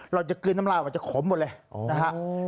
เราจะกลืนน้ำลาวมันจะขมหมดเลยนะครับ